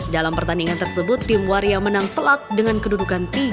dalam pertandingan tersebut tim waria menang telak dengan kedudukan tiga